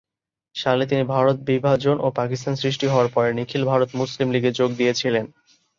সালে তিনি ভারত বিভাজন ও পাকিস্তান সৃষ্টি হওয়ার পরে নিখিল ভারত মুসলিম লীগে যোগ দিয়েছিলেন।